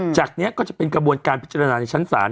จากนี้ก็จะเป็นกระบวนการพิจารณาในชั้นศาล